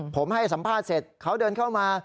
ผมให้สัมภาษณ์เสร็จเขาเดินเข้ามา